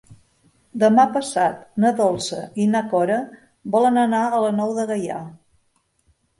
Demà passat na Dolça i na Cora volen anar a la Nou de Gaià.